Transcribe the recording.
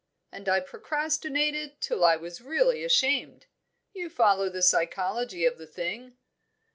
And I procrastinated till I was really ashamed you follow the psychology of the thing?